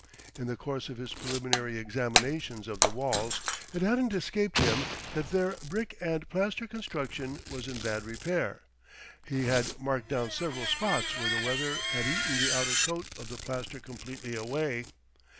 In the course of his preliminary examinations of the walls, it hadn't escaped him that their brick and plaster construction was in bad repair; he had marked down several spots where the weather had eaten the outer coat of plaster completely away.